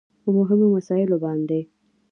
په مهمو مسايلو باندې کوي .